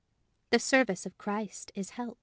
The service of Christ is help.